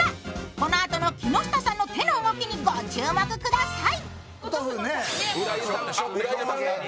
このあとの木下さんの手の動きにご注目ください。